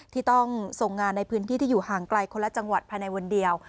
ที่ต้องส่งงานในพื้นที่ที่อยู่ห่างไกลคนละจังหวัดภายในวันเดียว